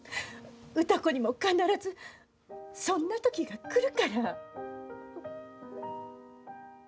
歌子にも必ずそんな時が来るから。